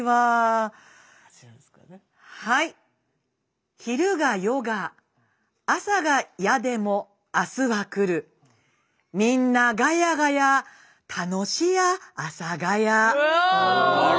はい「昼が夜が朝が嫌でも明日は来るみんなガヤガヤ楽し家阿佐ヶ谷」。